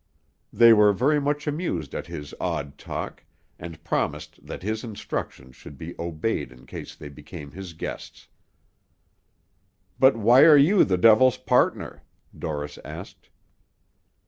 They were very much amused at his odd talk, and promised that his instructions should be obeyed in case they became his guests. "But why are you the devil's partner?" Dorris asked.